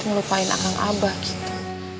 ngelupain akan abah gitu